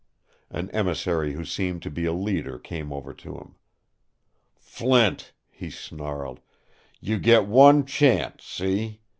An emissary who seemed to be a leader came over to him. "Flint," he snarled, "you get one chance see?